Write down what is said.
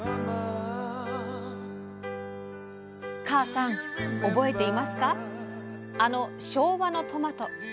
母さん覚えていますかあの昭和のトマト。